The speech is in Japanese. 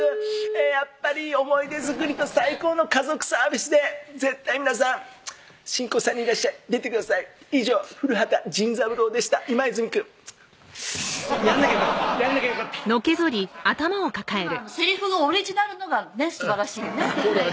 「やっぱり思い出作りと最高の家族サービスで絶対皆さん新婚さんいらっしゃい！出てください」「以上古畑仁三郎でした今泉くん」やんなきゃよかったやんなきゃよかったでもセリフがオリジナルのがねすばらしいよね